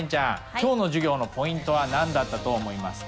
今日の授業のポイントは何だったと思いますか？